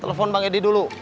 telepon bang edi dulu